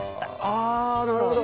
あなるほど。